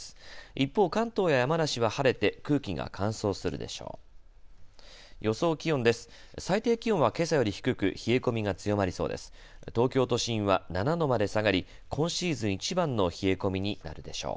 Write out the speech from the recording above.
一方、関東や山梨は晴れて空気が乾燥するでしょう。